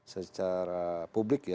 secara publik ya